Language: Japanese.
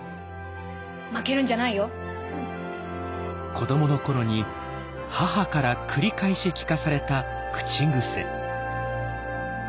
子どもの頃に母から繰り返し聞かされた口癖。